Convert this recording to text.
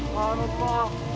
datangkan pertolonganmu ya allah